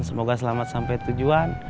semoga selamat sampai tujuan